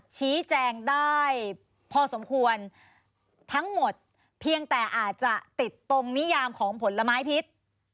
ชี้แจงได้พอสมควรทั้งหมดเพียงแต่อาจจะติดตรงนิยามของผลไม้พิษ